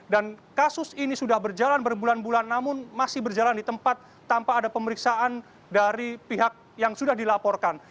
dan kasus ini sudah berjalan berbulan bulan namun masih berjalan di tempat tanpa ada pemeriksaan dari pihak yang sudah dilaporkan